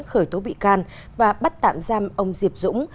khởi tố bị can và bắt tạm giam ông diệp dũng